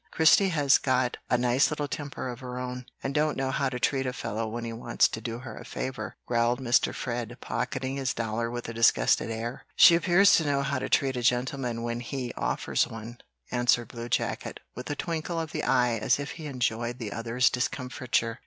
"Christie has got a nice little temper of her own, and don't know how to treat a fellow when he wants to do her a favor," growled Mr. Fred, pocketing his dollar with a disgusted air. "She appears to know how to treat a gentleman when HE offers one," answered Blue Jacket, with a twinkle of the eye as if he enjoyed the other's discomfiture.